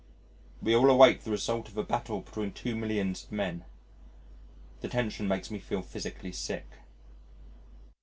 We all await the result of a battle between two millions of men. The tension makes me feel physically sick.